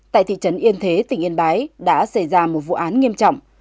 tại thị trấn yên thế tỉnh yên bái đã xảy ra một vụ án nghiêm trọng